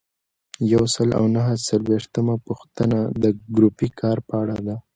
یو سل او نهه څلویښتمه پوښتنه د ګروپي کار په اړه ده.